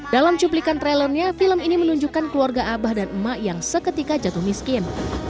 dalam cuplikan trailernya film ini menunjukkan keluarga abah dan emak yang seketika jatuh miskin